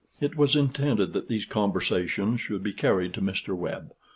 It was intended that these conversations should be carried to Mr. Webb.